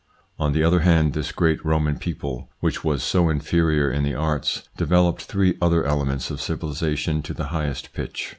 On the other hand this great Roman people, which was so inferior in the arts, developed three other elements of civilisation to the highest pitch.